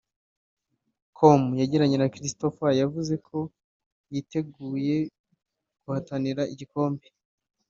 com yagiranye na Christopher yavuze ko yiteguye guhatanira igikombe